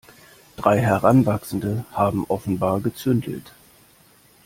Drei Heranwachsende haben offenbar gezündelt.